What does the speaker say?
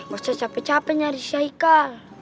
gak usah capek capek nyari haikal